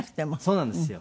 そうなんですよ。